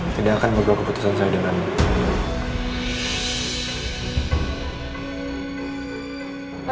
tidak akan berguna keputusan saya dengan mama